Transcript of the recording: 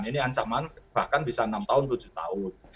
ini ancaman bahkan bisa enam tahun tujuh tahun